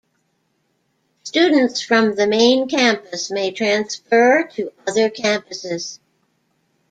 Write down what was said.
Students from the Main Campus may transfer to other campuses.